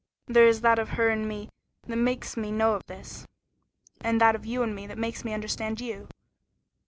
There is that of her in me that makes me know this, and that of you in me that makes me understand you.